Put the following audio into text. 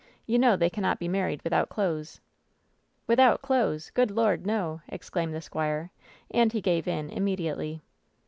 You know they cannot be married without clothes." "Without clothes 1 Good Lord, nol" exclaimed the squire, and he gave in immediately.